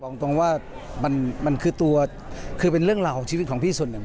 ตรงว่ามันคือตัวคือเป็นเรื่องราวของชีวิตของพี่ส่วนหนึ่ง